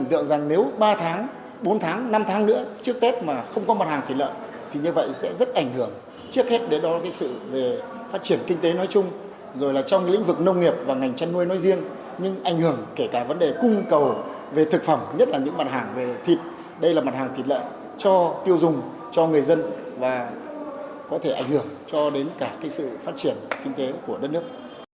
đây là mặt hàng thịt lợn cho tiêu dùng cho người dân và có thể ảnh hưởng cho đến cả sự phát triển kinh tế của đất nước